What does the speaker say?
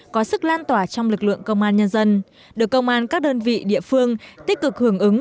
có sức lan tỏa trong lực lượng công an nhân dân được công an các đơn vị địa phương tích cực hưởng ứng